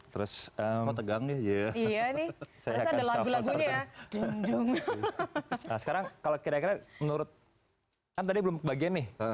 terus tegangnya ya iya nih lagunya sekarang kalau kira kira menurut tadi belum bagian nih